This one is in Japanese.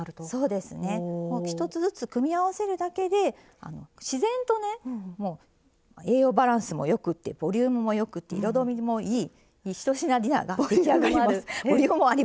そうですね１つずつ組み合わせるだけで自然とね栄養バランスもよくてボリュームもよくて彩りもいい１品ディナーが出来上がります。